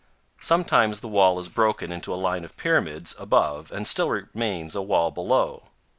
Sometimes the wall is broken into a line of pyramids above and still remains a wall below.